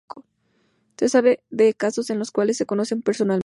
Se sabe de casos en los cuales se conocen personalmente.